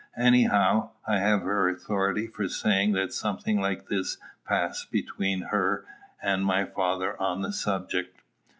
Any how, I have her authority for saying that something like this passed between her and my father on the subject.